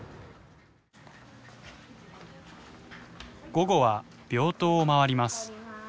午後は病棟を回ります。